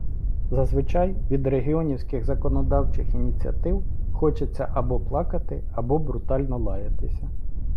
Зазвичай від регіонівських законодавчих ініціатив хочеться або плакати, або брутально лаятися.